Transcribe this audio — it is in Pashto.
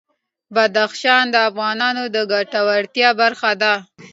بدخشان د افغانانو د ګټورتیا برخه ده.